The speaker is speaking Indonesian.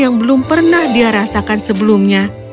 yang belum pernah dia rasakan sebelumnya